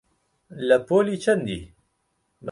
لە پۆلی چەندی؟